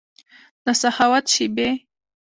دسخاوت شیبې